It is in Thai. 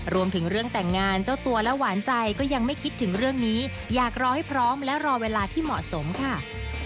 รวมถึงเรื่องแต่งงานเจ้าตัวและหวานใจก็ยังไม่คิดถึงเรื่องนี้อยากรอให้พร้อมและรอเวลาที่เหมาะสมค่ะ